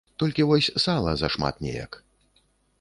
Толькі вось сала зашмат неяк.